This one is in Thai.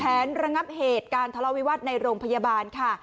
ระงับเหตุการณ์ทะเลาวิวาสในโรงพยาบาลค่ะ